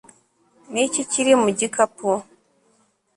ni iki kiri mu gikapu